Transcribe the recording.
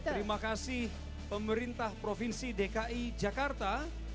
terima kasih pemerintah provinsi dki jakarta